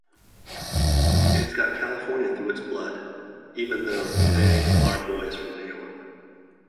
It's got California through its blood, even though they are boys from New York...